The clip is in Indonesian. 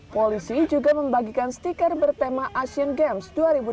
polisi juga membagikan stiker bertema asian games dua ribu delapan belas